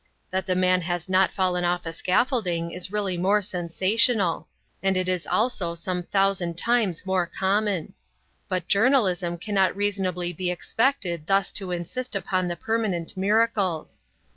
That the man has not fallen off a scaffolding is really more sensational; and it is also some thousand times more common. But journalism cannot reasonably be expected thus to insist upon the permanent miracles.